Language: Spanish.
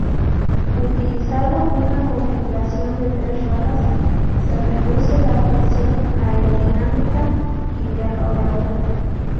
Utilizando una configuración de tres ruedas, se reduce la fricción aerodinámica y de rodadura.